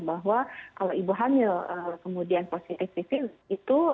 bahwa kalau ibu hamil kemudian positif covid itu